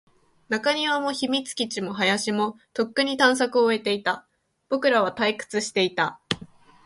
中庭も、秘密基地も、林も、とっくに探索を終えていた。僕らは退屈していた。